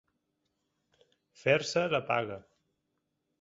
Fer-se la paga.